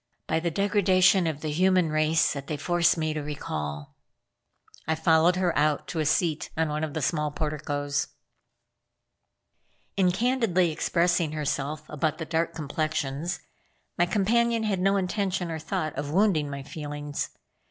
"By the degradation of the human race that they force me to recall." I followed her out to a seat on one of the small porticoes. In candidly expressing herself about the dark complexions, my companion had no intention or thought of wounding my feelings.